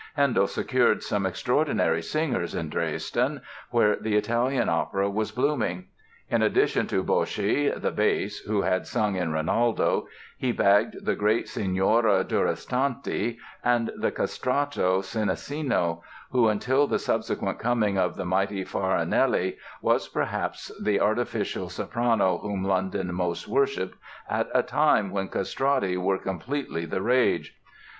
Handel secured some extraordinary singers in Dresden, where the Italian opera was blooming. In addition to Boschi, the bass, who had sung in "Rinaldo", he bagged the great Signora Durastanti and the castrato Senesino, who until the subsequent coming of the mighty Farinelli, was perhaps the artificial soprano whom London most worshipped at a time when castrati were completely the rage.